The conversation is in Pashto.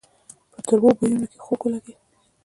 په تروو بويونو کې خوږ ولګېد.